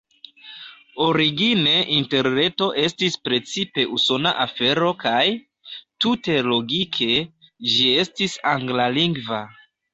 Origine Interreto estis precipe usona afero kaj, tute logike, ĝi estis anglalingva.